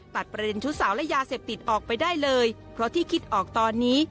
ตัดประเด็นชุดสาวและยาเสพติดออกไปได้เลยเพราะที่คิดออกตอนนี้